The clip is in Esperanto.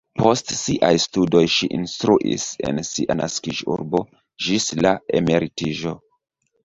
Post siaj studoj ŝi instruis en sia naskiĝurbo ĝis la emeritiĝo.